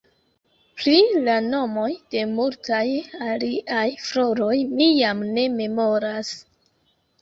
Pri la nomoj de multaj aliaj floroj mi jam ne memoras.